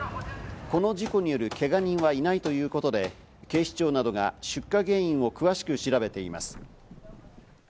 この事故によるけが人はいないということで、警視庁などが出火原因を詳しく調べています。